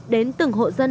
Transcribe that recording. đến từng hộ dân